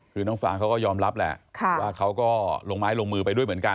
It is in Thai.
คือน้องฟางเขาก็ยอมรับแหละว่าเขาก็ลงไม้ลงมือไปด้วยเหมือนกัน